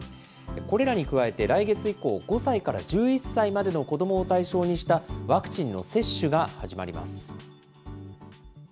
これらに加えて、来月以降、５歳から１１歳までの子どもを対象にしたワクチンの接種が始まります。